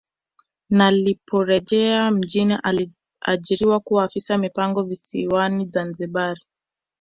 Na liporejea nchini aliajiriwa kuwa afisa mipango visiwani Zanzibari